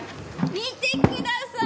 見てください！